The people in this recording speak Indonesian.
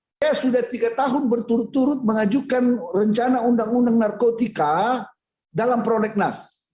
saya sudah tiga tahun berturut turut mengajukan rencana undang undang narkotika dalam prolegnas